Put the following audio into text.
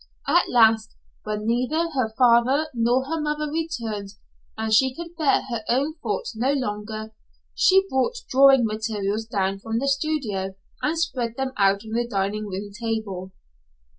At last, when neither her father nor her mother returned and she could bear her own thoughts no longer, she brought drawing materials down from the studio and spread them out on the dining room table.